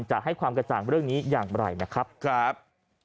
จะให้ความกระจ่างเรื่องนี้อย่างไรนะครับ